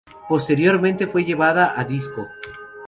Posteriormente fue llevada a disco.